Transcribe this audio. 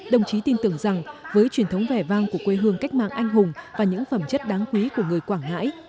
đồng chí tin tưởng rằng với truyền thống vẻ vang của quê hương cách mạng anh hùng và những phẩm chất đáng quý của người quảng ngãi